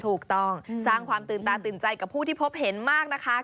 ถูกต้องสร้างความตื่นตาตื่นใจกับผู้ที่พบเห็นมากนะคะ